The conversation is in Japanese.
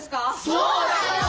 そうだよ！